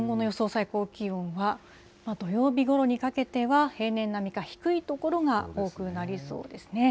最高気温は、土曜日ごろにかけては平年並みか低い所が多くなりそうですね。